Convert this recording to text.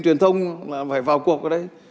truyền thông phải vào cuộc ở đây